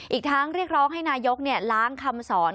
อีกทั้งเรียกร้องให้นายกล้างคำสอน